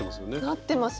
なってます。